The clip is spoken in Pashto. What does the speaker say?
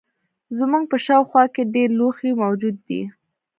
زموږ په شاوخوا کې ډیر لوښي موجود دي.